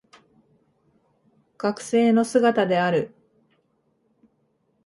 学生の姿である